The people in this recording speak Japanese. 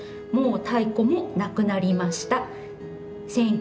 もう太鼓もなくなりました。